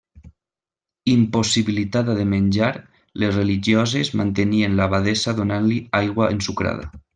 Impossibilitada de menjar, les religioses mantenien l'abadessa donant-li aigua ensucrada.